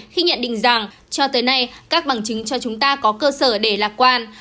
khi nhận định rằng cho tới nay các bằng chứng cho chúng ta có cơ sở để lạc quan